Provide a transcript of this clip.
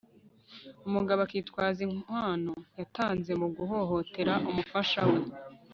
umugabo akitwaza inkwano yatanze mu guhohotera umufasha we